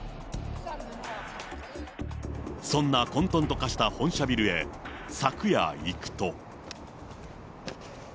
そんな混とんと化した本社ビルへ昨夜行くと。